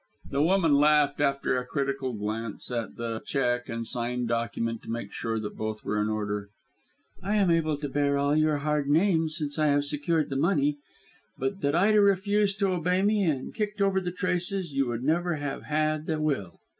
The woman laughed after a critical glance at the cheque and signed document to make sure that both were in order. "I am able to bear all your hard names since I have secured the money. But that Ida refused to obey me and kicked over the traces you would never have had the will."